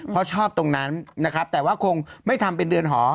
เพราะชอบตรงนั้นนะครับแต่ว่าคงไม่ทำเป็นเดือนหอ